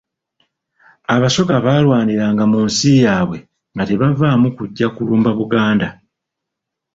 Abasoga baalwaniranga mu nsi yaabwe nga tebavaamu kujja kulumba Buganda.